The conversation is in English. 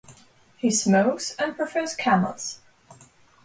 He smokes and prefers Camels.